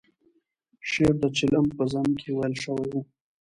شعر د چلم په ذم کې ویل شوی و.